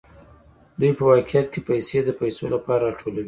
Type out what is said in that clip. دوی په واقعیت کې پیسې د پیسو لپاره راټولوي